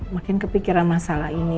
makin kepikiran masalah ini